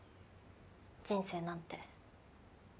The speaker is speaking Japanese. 人生なんて。